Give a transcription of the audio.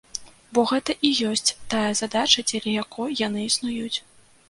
Бо гэта і ёсць тая задача, дзеля якой яны існуюць.